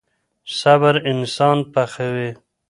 صبر انسان پخوي.